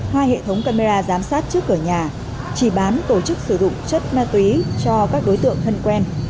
hai hệ thống camera giám sát trước cửa nhà chỉ bán tổ chức sử dụng chất ma túy cho các đối tượng thân quen